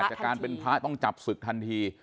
จากการเป็นพระต้องจับศึกทันที